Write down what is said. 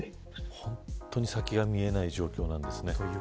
本当に先が見えない状況なんですね。